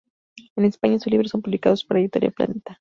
En España sus libros son publicados por la editorial Planeta.